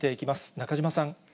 中島さん。